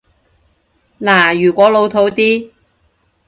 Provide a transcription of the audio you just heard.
嗱，如果老套啲